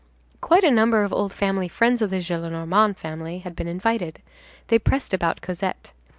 Quite a number of old family friends of the Gillenormand family had been invited; they pressed about Cosette.